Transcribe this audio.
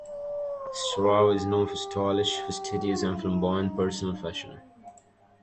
Storaro is known for stylish, fastidious, and flamboyant personal fashion.